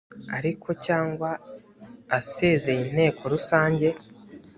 ariko cyangwa asezeye inteko rusange